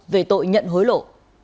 về tội nhận hối lộ